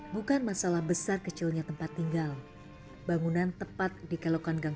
bukan masalah besar kecilnya tempat tinggal bangunan tepat di kelokan gang